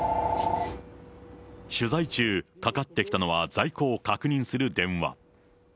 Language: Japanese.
取材中、かかってきたのは在庫を確認する電話。